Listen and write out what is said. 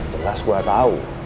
jelas gue tahu